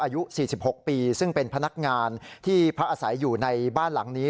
อายุ๔๖ปีซึ่งเป็นพนักงานที่พักอาศัยอยู่ในบ้านหลังนี้